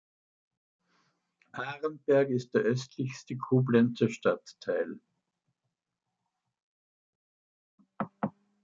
Arenberg ist der östlichste Koblenzer Stadtteil.